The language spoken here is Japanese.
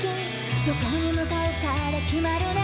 「どこに向かうかで決まるね」